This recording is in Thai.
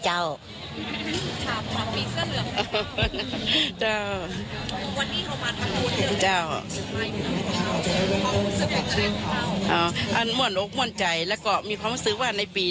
ถ้าถามว่าเข้าไปได้เป็นอัศวินไตรนี้